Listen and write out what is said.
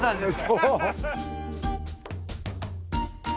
そう。